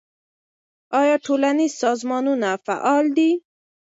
آیا ټولنیز سازمانونه فعال دي؟